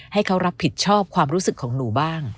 ให้เขารับผิดชอบความรู้สึกของหนูบ้าง